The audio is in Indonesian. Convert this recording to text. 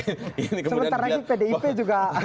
sebentar lagi pdip juga